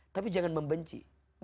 tapi jangan membenci